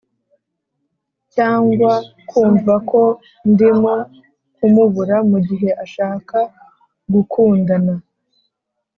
cyangwa kumva ko ndimo kumubura, mugihe ashaka gukundana.